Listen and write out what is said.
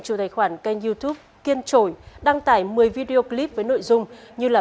chủ tài khoản kênh youtube kiên trổi đăng tải một mươi video clip với nội dung như là